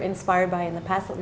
inspirasi dari masa lalu